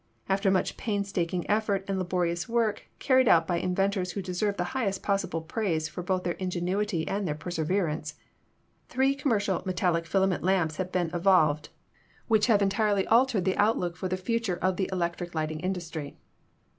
After much painstaking effort and laborious work, carried out by inventors who deserve the highest possible praise for both their ingenuity and their perseverance, three commercial metallic filament lamps have been evolv HISTORY OF ELECTRIC LIGHTING 243 ed which have entirely altered the outlook for the future of the electric lighting industry.